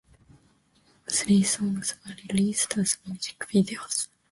All three songs were released as music videos.